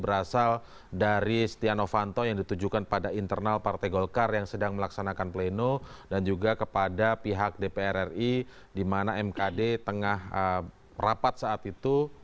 rsrendoowinty pm tj individual merupakan poin tertentu